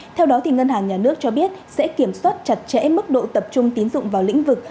theo đó ngân hàng nhà nước cho biết sẽ kiểm soát chặt chẽ mức độ tập trung tiến dụng vào lĩnh vực